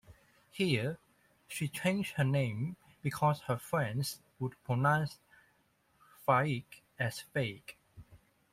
Here, she changed her name because her friends would pronounce "Phaik" as "fake".